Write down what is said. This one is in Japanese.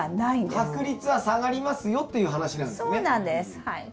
確率は下がりますよっていう話なんですね。